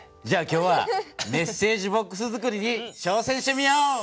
じゃあ今日はメッセージボックスづくりにちょうせんしてみよう！